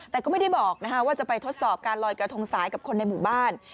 แต่ก็ไม่ได้บอกว่าจะไปทดสอบการลอยกระทงสายกับคนในหมู่บ้าน